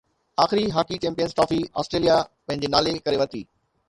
آخري hockey champions trophy Australia پنهنجي نالي ڪري ورتي